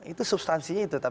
itu substansinya itu